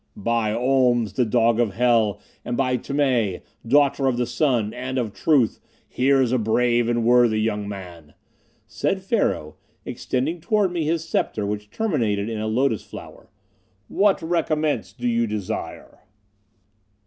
"By Oms, the dog of Hell, and by Tmei, daughter of the Sun and of Truth, here is a brave and worthy young man," said Pharaoh, extending toward me his scepter which terminated in a lotus flower. "What recompense do you desire?"